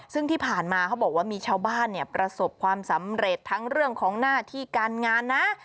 ซึ่งที่ผ่านมาเขาบอกว่ามีชาวบ้านเนี่ยประสบความสำเร็จทั้งเรื่องของหน้าที่การงานนะ